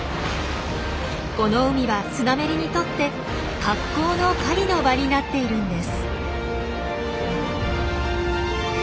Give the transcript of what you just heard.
この海はスナメリにとって格好の狩りの場になっているんです。